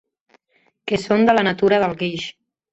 Que són de la natura del guix.